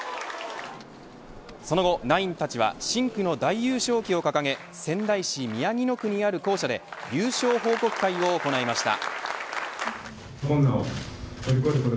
その後ナインたちは深紅の大優勝旗を掲げ仙台市宮城野区にある校舎で優勝報告会を行いました。